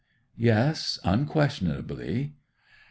'Yes. Unquestionably.